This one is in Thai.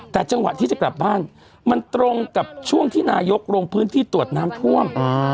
แต่จังหวะที่จะกลับบ้านมันตรงกับช่วงที่นายกลงพื้นที่ตรวจน้ำท่วม